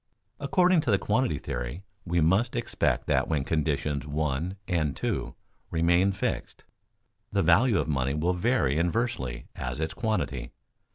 According to the quantity theory we must expect that when conditions (1) and (2) remain fixed, the value of money will vary inversely as its quantity.